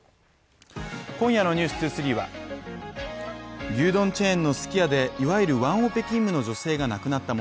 今夜の「ｎｅｗｓ２３」は牛丼チェーンのすき家で、いわゆるワンオペ勤務の女性が亡くなった